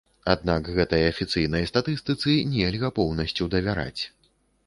Аднак гэтай афіцыйнай статыстыцы нельга поўнасцю давяраць.